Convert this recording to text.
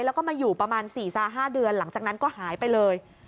แล้วก็มาอยู่ประมาณ๔๕เดือนหลังจากนั้นก็หายไปเลย